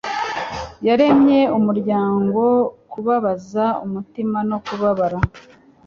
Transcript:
yaremye umuryango, kubabaza umutima no kubabara